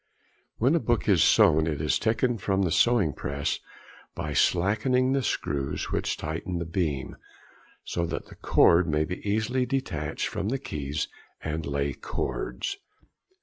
When a book is sewn, it is taken from the sewing press by slackening the screws which tighten the beam, so that the cord may be easily detached from the keys and lay cords.